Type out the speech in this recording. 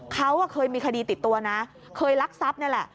เขาเคยมีคดีติดตัวนะเคยรักทรัพย์นี่แหละ